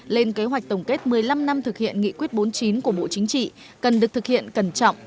lên kế hoạch tổng kết một mươi năm năm thực hiện nghị quyết bốn mươi chín của bộ chính trị cần được thực hiện cẩn trọng